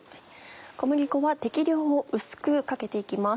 小麦粉は適量を薄くかけて行きます。